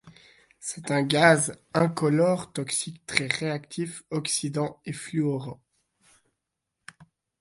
C'est un gaz incolore toxique très réactif, oxydant et fluorant.